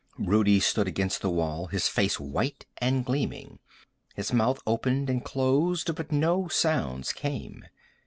Rudi stood against the wall, his face white and gleaming. His mouth opened and closed but no sounds came.